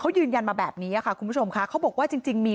เขายืนยันมาแบบนี้ค่ะคุณผู้ชมค่ะเขาบอกว่าจริงมี